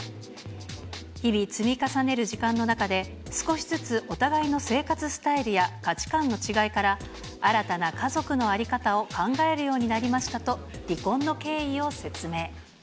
日々積み重ねる時間の中で、少しずつお互いの生活スタイルや価値観の違いから、新たな家族の在り方を考えるようになりましたと、離婚の経緯を説明。